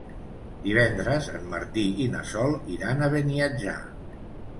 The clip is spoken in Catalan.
Divendres en Martí i na Sol iran a Beniatjar.